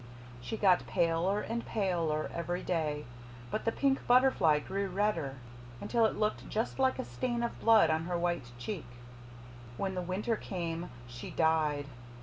She got paler and paler every day, but the pink butterfly grew redder, until it looked just like a stain of blood on her white cheek. When the winter came she died.